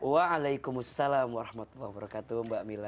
waalaikumsalam warahmatullahi wabarakatuh mbak mila